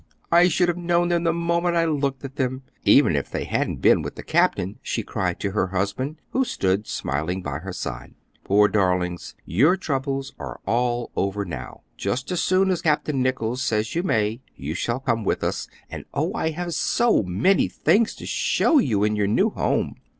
"I should have known them the moment I looked at them, even if they hadn't been with the captain," she cried to her husband, who stood smiling by her side. "Poor darlings, your troubles are all over now! Just as soon as Captain Nichols says you may, you shall come with us, and oh, I have so many things to show you in your new home!"